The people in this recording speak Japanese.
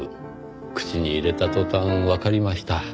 口に入れた途端わかりました。